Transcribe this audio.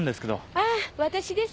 ああ私です。